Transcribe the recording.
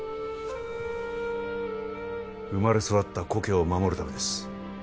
生まれ育った故郷を守るためです